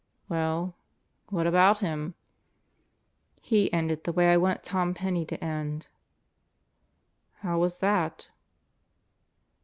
"Well, what about him?" "He ended the way I want Tom Penney to end." "How was that?"